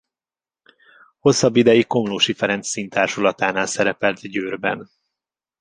Hosszabb ideig Komlóssy Ferenc színtársulatánál szerepelt Győrben.